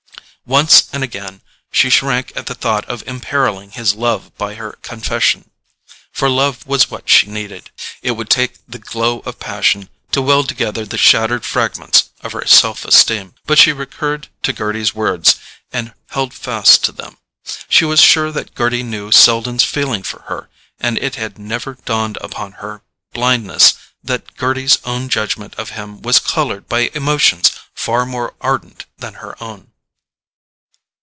Once and again she shrank at the thought of imperilling his love by her confession: for love was what she needed—it would take the glow of passion to weld together the shattered fragments of her self esteem. But she recurred to Gerty's words and held fast to them. She was sure that Gerty knew Selden's feeling for her, and it had never dawned upon her blindness that Gerty's own judgment of him was coloured by emotions far more ardent than her own.